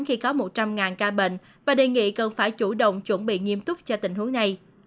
khi có một trăm linh ca bệnh và đề nghị cần phải chủ động chuẩn bị nghiêm túc cho tình huống này